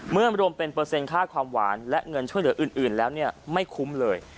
รวมเป็นเปอร์เซ็นค่าความหวานและเงินช่วยเหลืออื่นแล้วไม่คุ้มเลย